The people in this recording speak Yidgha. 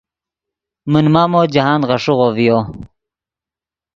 من مامو جاہند غیݰیغو ڤیو